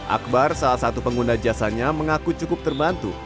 akbar salah satu pengguna jasanya mengaku cukup terbantu